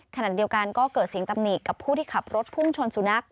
ขณะเดียวกันก็เกิดเสียงตำหนิกับผู้ที่ขับรถพุ่งชนสุนัข